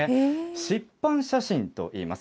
湿板写真といいます。